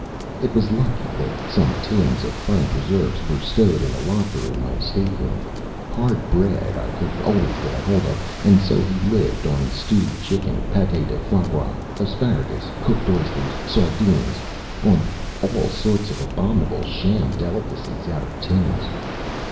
It was lucky that some tins of fine preserves were stowed in a locker in my stateroom; hard bread I could always get hold of; and so he lived on stewed chicken, Pate de Foie Gras, asparagus, cooked oysters, sardines on all sorts of abominable sham delicacies out of tins.